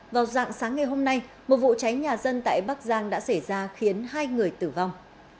vào dạng sáng ngày hôm nay một vụ cháy nhà dân tại bắc giang đã xảy ra khiến hai người tử vong